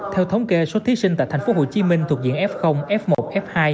theo thống kê số thí sinh tại tp hcm thuộc diện f f một f hai